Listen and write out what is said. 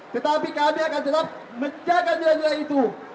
tetapi kami akan tetap menjaga nilai nilai itu